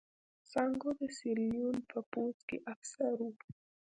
سانکو د سیریلیون په پوځ کې افسر و.